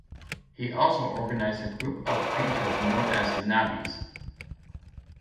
He also organized a group of painters known as The Nabis.